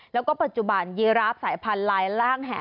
และปัจจุบันยีรับสายพันธุ์ลายร่างแห